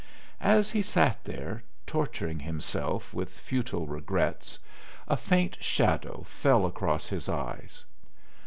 As he sat there, torturing himself with futile regrets, a faint shadow fell across his eyes.